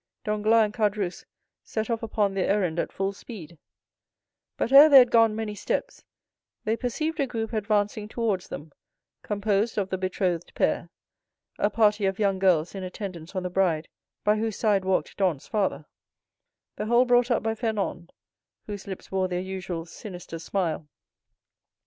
Danglars and Caderousse set off upon their errand at full speed; but ere they had gone many steps they perceived a group advancing towards them, composed of the betrothed pair, a party of young girls in attendance on the bride, by whose side walked Dantès' father; the whole brought up by Fernand, whose lips wore their usual sinister smile.